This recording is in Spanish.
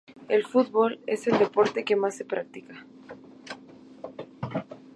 El fútbol es el deporte que más se practica.